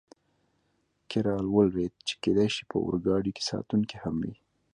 کې را ولوېد، چې کېدای شي په اورګاډي کې ساتونکي هم وي.